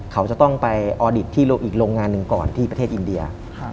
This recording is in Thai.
เขาจะต้องไปออดิตที่อีกโรงงานหนึ่งก่อนที่ประเทศอินเดีย